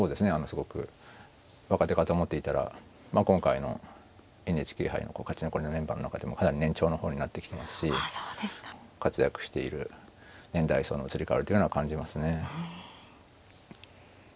すごく若手かと思っていたら今回のＮＨＫ杯の勝ち残りのメンバーの中でもかなり年長の方になってきてますし活躍している年代層の移り変わりというのは感じますね。